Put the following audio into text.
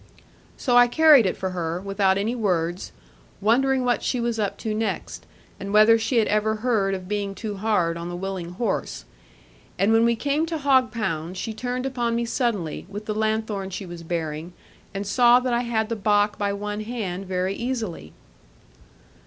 So I carried it for her, without any words; wondering what she was up to next, and whether she had ever heard of being too hard on the willing horse. And when we came to hog pound, she turned upon me suddenly, with the lanthorn she was bearing, and saw that I had the bock by one hand very easily.